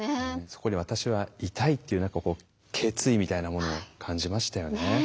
そこに私はいたいっていう何かこう決意みたいなものを感じましたよね。